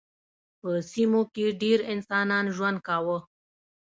په سیمو کې ډېر انسانان ژوند کاوه.